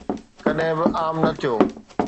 ڪڏهن به عام نه ٿيو.